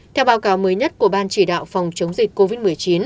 theo báo cáo mới nhất của ban chỉ đạo phòng chống dịch covid một mươi chín